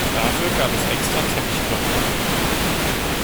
Dafür gab es extra Teppichklopfer.